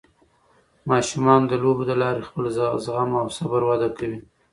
ماشومان د لوبو له لارې خپل زغم او صبر وده کوي.